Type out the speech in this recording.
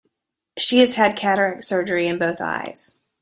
She has had cataract surgery in both eyes.